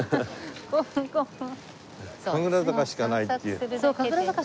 神楽坂しかないっていう。